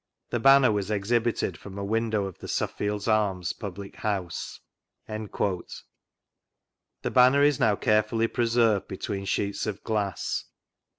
The Banner was exhibited from a window of the Suffield's Arms public house." The Banner is now carefully preserved between sheets of glass.